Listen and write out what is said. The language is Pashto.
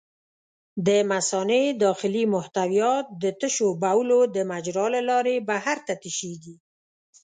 د مثانې داخلي محتویات د تشو بولو د مجرا له لارې بهر ته تشېږي.